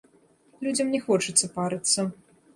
Людзям не хочацца парыцца.